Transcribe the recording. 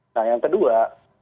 nah yang kedua